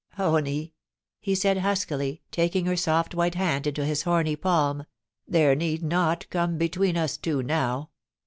* Honie,' he said huskily, taking her soft white hand into his homy palm, * there need nought come betw^een us two now.